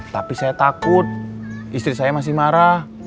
tapi saya takut istri saya masih marah